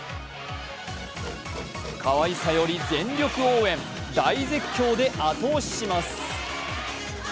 かわいさより全力応援、大絶叫で後押しします。